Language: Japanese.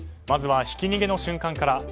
まずは、ひき逃げの瞬間から。